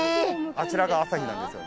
あちらが朝日なんですよ。